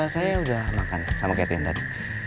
saya udah makan sama catherine tadi